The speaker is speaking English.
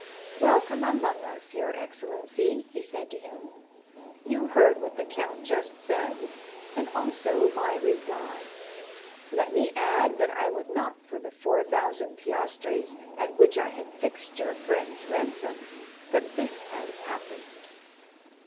"Welcome among us, your excellency," he said to him; "you heard what the count just said, and also my reply; let me add that I would not for the four thousand piastres at which I had fixed your friend's ransom, that this had happened."